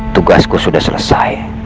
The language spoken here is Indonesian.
tugasku sudah selesai